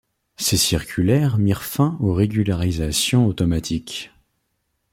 Ces circulaires mirent fin aux régularisations automatiques.